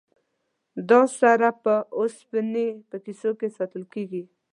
دا سره په اوسپنې په کیسو کې ساتل کیږي.